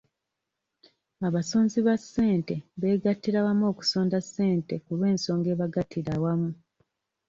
Abasonzi ba ssente beegattira wamu okusonda ssente ku lw'ensonga ebagatta awamu.